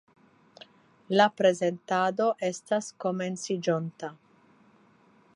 La prezentado estas komenciĝonta.